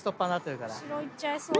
後ろ行っちゃいそう。